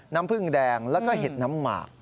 น้ำผึ้งแดงแล้วก็เห็ดน้ำหมาก